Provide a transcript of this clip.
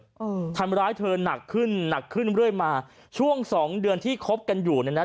อืมทำร้ายเธอหนักขึ้นหนักขึ้นเรื่อยมาช่วงสองเดือนที่คบกันอยู่เนี่ยนะ